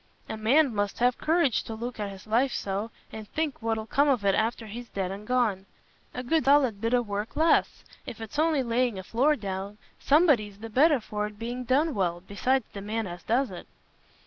A man must have courage to look at his life so, and think what'll come of it after he's dead and gone. A good solid bit o' work lasts: if it's only laying a floor down, somebody's the better for it being done well, besides the man as does it."